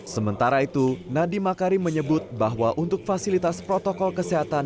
sementara itu nadiem makarim menyebut bahwa untuk fasilitas protokol kesehatan